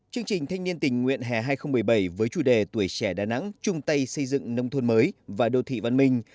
chương trình thanh niên tình nguyện hè hai nghìn một mươi bảy với chủ đề tuổi trẻ đà nẵng chung tay xây dựng nông thôn mới và đô thị văn minh